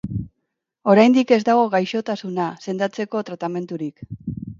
Oraindik ez dago gaixotasuna sendatzeko tratamendurik.